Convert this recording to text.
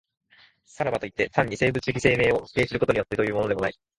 さらばといって、単に生物的生命を否定することによってというのでもない。